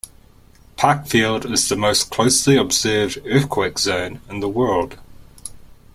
Parkfield is the most closely observed earthquake zone in the world.